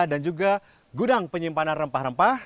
dan juga gudang penyimpanan rempah rempah